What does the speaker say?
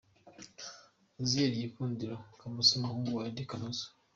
Azriel Gikundiro Kamoso, umuhungu wa Eddy Kamoso.